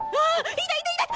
いたいたいた！